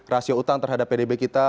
rasio utang terhadap pdb kita